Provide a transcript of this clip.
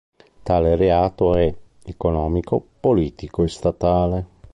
Tale reato è economico, politico e statale.